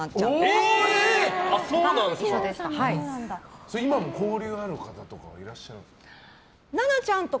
それは今も交流のある方とかはいらっしゃるんですか？